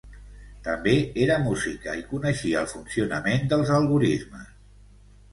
També era música i coneixia el funcionament dels algorismes.